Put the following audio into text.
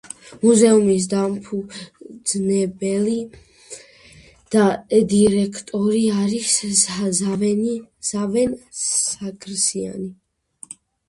მუზეუმის დამფუძნებელი და დირექტორი არის ზავენ სარგსიანი.